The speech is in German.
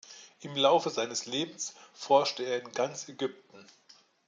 Im Laufe seines Lebens forschte er in ganz Ägypten.